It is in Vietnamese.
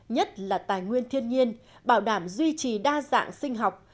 nhất là tài nguyên thiên nhiên bảo đảm duy trì đa dạng sinh học